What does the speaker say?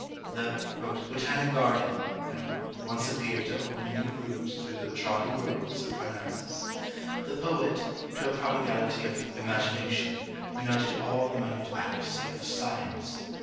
The "BOTANIC GARDEN" once appeared to open a new route through the trodden groves of Parnassus. The poet, to a prodigality of IMAGINATION, united all the minute accuracy of SCIENCE.